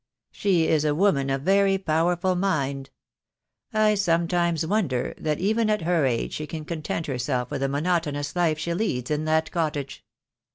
She is a woman of very powerful mind. I sometimes wonder that even at her age she can content herself with the mo notonous life she leads in that cottage."